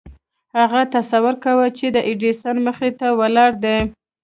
هغه تصور کاوه چې د ايډېسن مخې ته ولاړ دی.